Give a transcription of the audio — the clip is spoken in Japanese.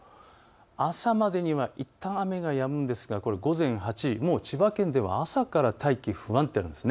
朝までにはいったん雨はやむんですが午前８時、もう千葉県では朝から大気不安定なんです。